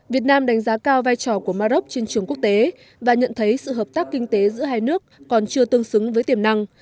việt nam đánh giá cao vai trò của maroc trên trường quốc tế và nhận thấy sự hợp tác kinh tế giữa hai nước còn chưa tương xứng với tiềm năng